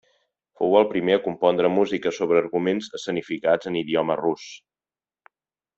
Fou el primer a compondre música sobre arguments escenificats en idioma rus.